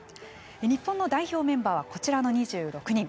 日本の代表メンバーはこちらの２６人。